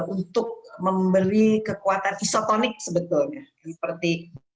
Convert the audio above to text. untuk memberi kekuatan isotonik sebetulnya seperti